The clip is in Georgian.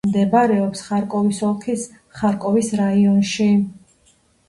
მდებარეობს ხარკოვის ოლქის ხარკოვის რაიონში.